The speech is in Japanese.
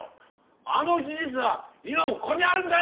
あの技術は今もここにあるんだよ